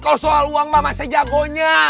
kalau soal uang mama saya jagonya